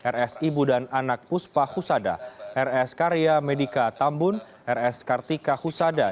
rs ibu dan anak puspa husada rs karya medica tambun rs kartika husada